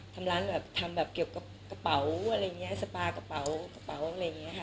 ทำร้านแบบทำแบบเกี่ยวกับกระเป๋าอะไรอย่างนี้สปากระเป๋ากระเป๋าอะไรอย่างนี้ค่ะ